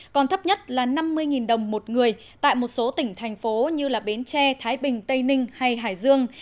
còn thấp nhất là năm mươi đồng một người tại một số tỉnh thành phố như bến tre thái bình tây ninh hay hải dương